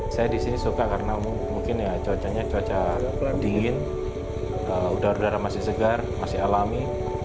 saya di sini suka karena mungkin ya cuacanya cuaca dingin udara udara masih segar masih alami